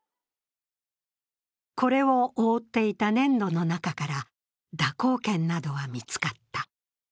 これを覆っていた粘土の中から蛇行剣などは見つかった。